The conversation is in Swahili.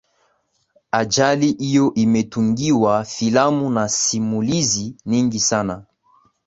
ajali hiyo imetungiwa filamu na simulizi nyingi sana